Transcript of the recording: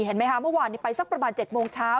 เห็นไหมคะเมื่อวานนี้ไปสักประมาณ๗โมงเช้า